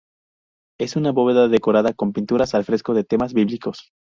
Es una bóveda decorada con pinturas al fresco de temas bíblicos.